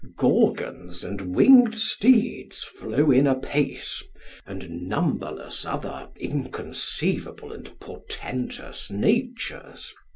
Gorgons and winged steeds flow in apace, and numberless other inconceivable and portentous natures.